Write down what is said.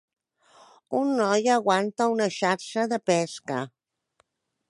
Un noi aguanta una xarxa de pesca.